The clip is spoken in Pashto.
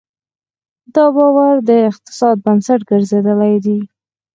دا باور د اقتصاد بنسټ ګرځېدلی دی.